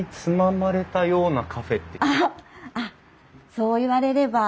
そう言われれば。